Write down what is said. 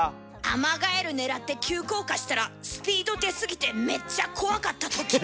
アマガエル狙って急降下したらスピード出すぎてめっちゃ怖かったとき。